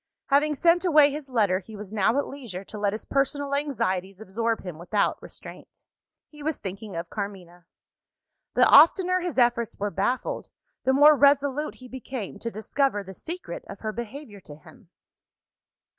Having sent away his letter, he was now at leisure to let his personal anxieties absorb him without restraint. He was thinking of Carmina. The oftener his efforts were baffled, the more resolute he became to discover the secret of her behaviour to him.